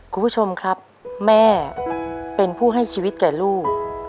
คุณผู้ชมครับแม่เป็นผู้ให้ชีวิตแก่ลูก